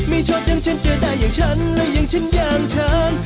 ไม่ชอบอย่างฉันเจอได้อย่างฉันและอย่างฉันอย่างฉัน